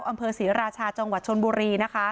อำเภอศรีราชาจังหวัดชนบุรีนะคะ